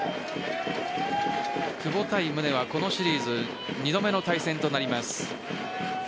久保対宗は、このシリーズ２度目の対戦となります。